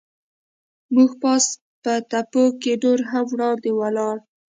موږ پاس په تپو کې نور هم وړاندې ولاړو.